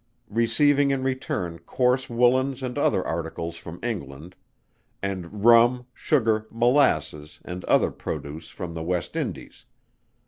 Receiving in return coarse Woollens and other articles from England; and Rum, Sugar, Molasses, and other produce from the West Indies.